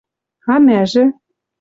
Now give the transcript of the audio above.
А мӓжӹ?